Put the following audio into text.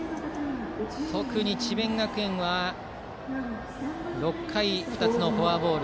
特に智弁学園は６回、２つのフォアボール。